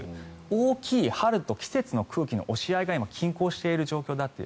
大きい春と季節の空気の押し合いが今、均衡している状況だと。